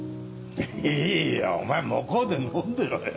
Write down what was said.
いいよお前向こうで飲んでろよ。